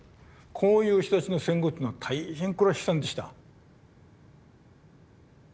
こういう人たちの戦後っていうのは大変これは悲惨でした。